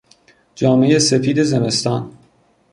جامهی سپید زمستان